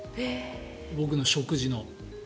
僕の食事の。